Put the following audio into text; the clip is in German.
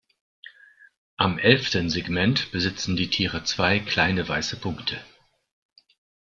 Am elften Segment besitzen die Tiere zwei kleine weiße Punkte.